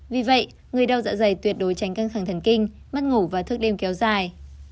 vì vậy người đau dạ dày tuyệt đối tránh căng thẳng thần kinh mất ngủ và thức đêm kéo dài